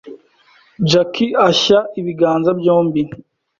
Jackie ashya ibiganza byombi